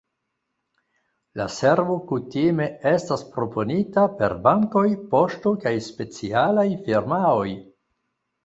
La servo kutime estas proponita per bankoj, poŝto kaj specialaj firmaoj.